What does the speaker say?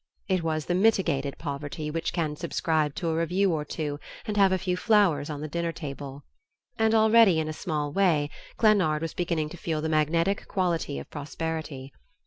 It was the mitigated poverty which can subscribe to a review or two and have a few flowers on the dinner table. And already in a small way Glennard was beginning to feel the magnetic quality of prosperity.